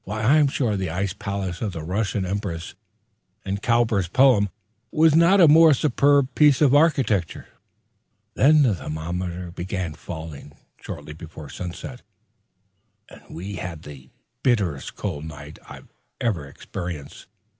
I am sure the ice palace of the Russian Empress, in Cowper's poem, was not a more superb piece of architecture. The thermometer began falling shortly before sunset and we had the bitterest cold night I ever experienced.